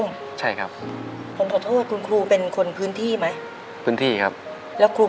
ในแคมเปญพิเศษเกมต่อชีวิตโรงเรียนของหนู